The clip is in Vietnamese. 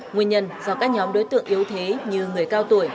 nguyên nhân do các nhóm đối tượng yếu thế như người cao tuổi